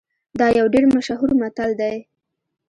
دا یو ډیر مشهور متل دی